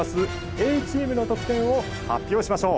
Ａチームの得点を発表しましょう。